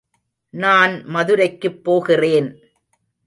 நான் மதுரைக்குப் போகிறேன்.